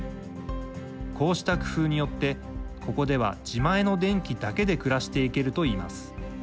こうした工夫によってここでは自前の電気だけで暮らしていけるといいます。